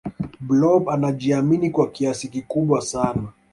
blob anajiamini kwa kiasi kikubwa sana